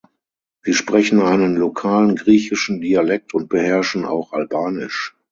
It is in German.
Sie sprechen einen lokalen griechischen Dialekt und beherrschen auch Albanisch.